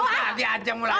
udah udah udah jangan ribet